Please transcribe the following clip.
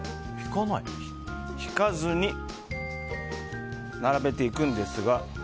ひかずに、並べていくんですが。